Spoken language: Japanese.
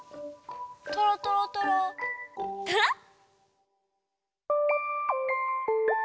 とろとろとろとろっ！